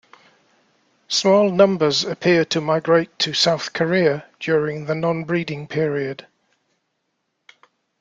Small numbers appear to migrate to South Korea during the nonbreeding period.